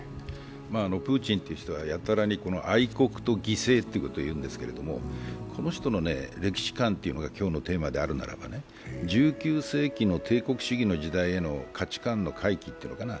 プーチンという人はやたらに愛国と犠牲ってことを言うんですけれども、この人の歴史観っていうのが今日のテーマであるならば、１９世紀の帝国主義への時代への価値観の回帰っていうのかな、